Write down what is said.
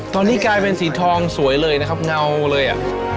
ตอนนี้กลายเป็นสีทองสวยเลยนะครับเงาเลยอ่ะ